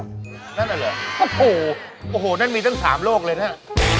นั่นอะไรเหรอโอ้โธ่โอ้โฮนั่นมีตั้ง๓โรคเลยนั่น